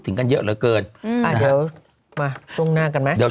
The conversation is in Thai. ถึงกันเยอะเหลือเกินเดี๋ยวมาช่วงหน้ากันไหมเดี๋ยว